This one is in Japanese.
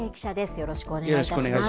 よろしくお願いします。